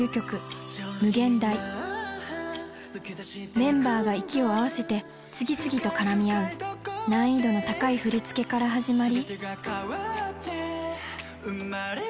メンバーが息を合わせて次々と絡み合う難易度の高い振り付けから始まり。